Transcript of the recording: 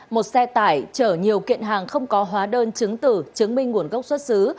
một xe tải chở nhiều kiện hàng không có hóa đơn chứng tử chứng minh nguồn gốc xuất xứ